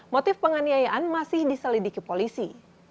motif penganiayaan masih diselidiki polisi